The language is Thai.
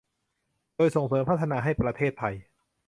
โดยส่งเสริมพัฒนาให้ประเทศไทย